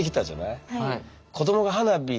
はい。